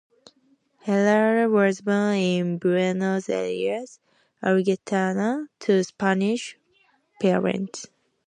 Herrera was born in Buenos Aires, Argentina, to Spanish parents.